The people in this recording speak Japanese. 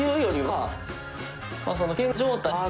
はい。